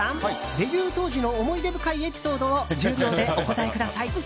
デビュー当時の思い出深いエピソードを１０秒でお答えください。